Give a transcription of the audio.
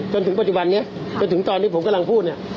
จนถึงปัจจุบันนี้จนถึงตอนนี้ผมกำลังพูดเนี่ย